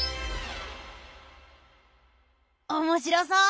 おもしろそう。